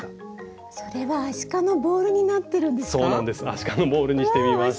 アシカのボールにしてみました。